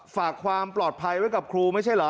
ฝากความปลอดภัยไว้กับครูไม่ใช่เหรอ